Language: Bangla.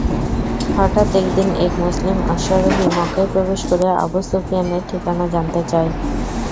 হঠাৎ একদিন এক মুসলিম অশ্বারোহী মক্কায় প্রবেশ করে আবু সুফিয়ানের ঠিকানা জানতে চায়।